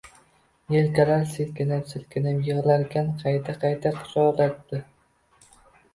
Yelkalari silkinib-silkinib yig‘larkan, qayta-qayta quchoqlardi...